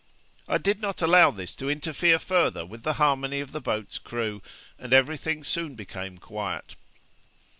I did not allow this to interfere further with the harmony of the boat's crew, and every thing soon became quiet.'